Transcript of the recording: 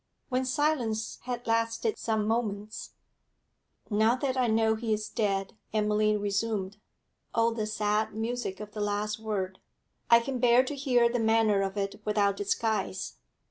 When silence had lasted some moments 'Now that I know he is dead,' Emily resumed oh, the sad music of the last word! 'I can bear to hear the manner of it without disguise.